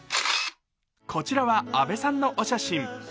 こちらは、阿部さんのお写真。